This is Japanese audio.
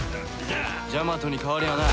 ジャマトに変わりはない。